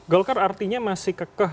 golkar artinya masih kekeh